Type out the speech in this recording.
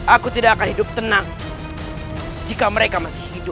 aku tidak akan hidup tenang jika mereka masih hidup